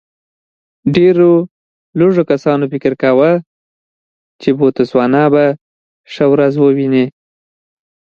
ډېرو لږو کسانو فکر کاوه چې بوتسوانا به ښه ورځ وویني.